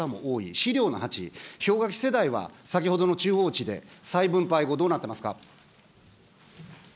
資料の８、氷河期世代は先ほどの中央値で、再分配後、どうなってますか。